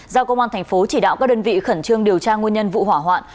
giao công an thành phố chỉ đạo các đơn vị khẩn trương điều tra nguyên nhân vụ hỏa hoạn